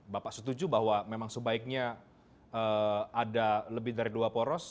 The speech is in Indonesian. bapak setuju bahwa memang sebaiknya ada lebih dari dua poros